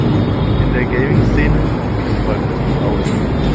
In der Gaming-Szene kennt Volker sich aus.